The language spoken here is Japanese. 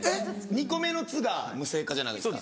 ２個目の「ツ」が無声化じゃないですか？